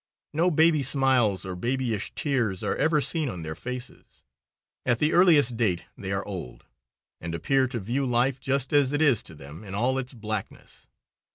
No baby smiles or babyish tears are ever seen on their faces. At the earliest date they are old, and appear to view life just as it is to them in all its blackness.